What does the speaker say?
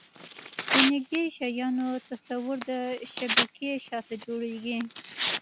د نږدې شیانو تصویر د شبکیې شاته جوړېږي.